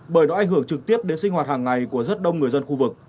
bởi nó ảnh hưởng trực tiếp đến sinh hoạt hàng ngày của rất đông người dân khu vực